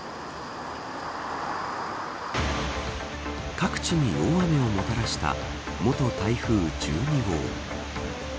各地に大雨をもたらした元台風１２号。